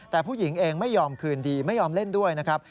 แต่ผู้หญิงเองไม่ยอมคืนดีไม่ยอมเล่นด้วยนะครับ